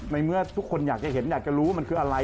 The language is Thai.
ในเมื่อทุกคนอยากจะเห็นอยากจะรู้ว่ามันคืออะไร